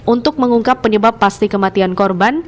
untuk mengungkap penyebab pasti kematian korban